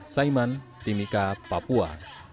saiman timika papua